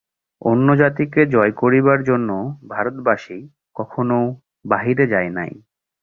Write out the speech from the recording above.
অন্য জাতিকে জয় করিবার জন্য ভারতবাসী কখনও বাহিরে যায় নাই।